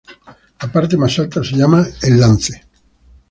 La parte más alta se llama El Lance.